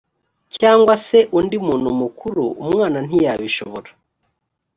cyangwa se undi muntu mukuru umwana ntiyabishobora